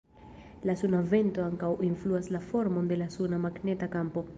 La suna vento ankaŭ influas la formon de la suna magneta kampo.